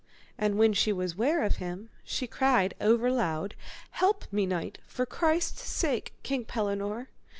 And when she was ware of him, she cried overloud, Help me, knight; for Christ's sake, King Pellinore.